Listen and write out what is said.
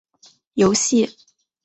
游戏